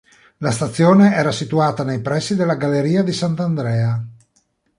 La stazione era situata nei pressi della galleria di Sant'Andrea.